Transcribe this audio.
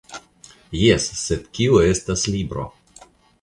Jes, sed kio estas libro?